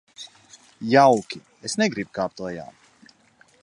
Jauki, es negribu kāpt lejā.